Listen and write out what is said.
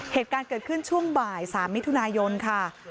เหตุการณ์เกิดขึ้นช่วงบ่าย๓มิถุนายนค่ะ